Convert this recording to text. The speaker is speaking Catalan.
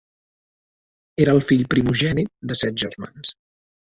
Era el fill primogènit de set germans.